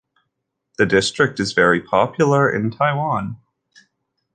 The district is very popular in Taiwan.